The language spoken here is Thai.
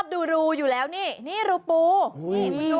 ดูรูอยู่แล้วนี่นี่รูปูนี่